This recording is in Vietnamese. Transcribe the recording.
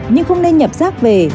nhưng không nên nhập rác về